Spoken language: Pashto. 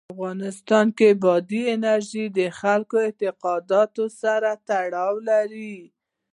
په افغانستان کې بادي انرژي د خلکو د اعتقاداتو سره تړاو لري.